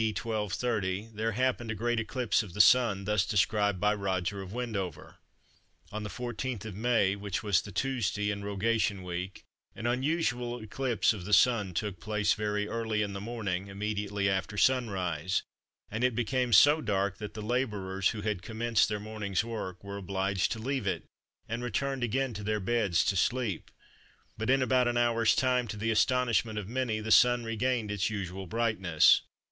D. 1230, there happened a great eclipse of the Sun, thus described by Roger of Wendover:—"On the 14th of May, which was the Tuesday in Rogation Week, an unusual eclipse of the Sun took place very early in the morning, immediately after sunrise; and it became so dark that the labourers, who had commenced their morning's work, were obliged to leave it, and returned again to their beds to sleep; but in about an hour's time, to the astonishment of many, the Sun regained its usual brightness."